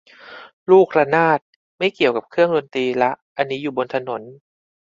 ลูกระนาด ไม่เกี่ยวกับเครื่องดนตรีละ อันนี้อยู่บนถนน